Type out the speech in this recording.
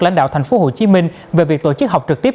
lãnh đạo tp hcm về việc tổ chức học trực tiếp